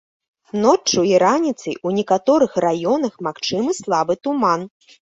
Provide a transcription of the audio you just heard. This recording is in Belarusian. Ноччу і раніцай у некаторых раёнах магчымы слабы туман.